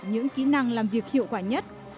những kỹ năng làm việc hiệu quả nhất